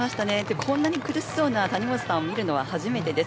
こんなに苦しそうな谷本さんを見るのは初めてです。